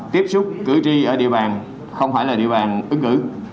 tiếp xúc cử tri ở địa bàn không phải là địa bàn ứng cử